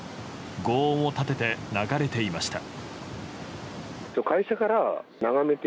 轟音を立てて流れていました。